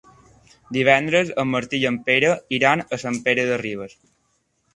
Divendres en Martí i en Pere iran a Sant Pere de Ribes.